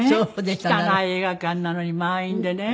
汚い映画館なのに満員でね